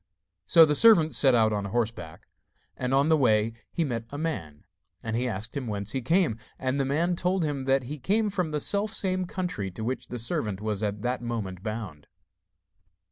So the servant set out on horseback, and on the way he met a man, and he asked him whence he came. And the man told him that he came from the self same country to which the servant was at that moment bound.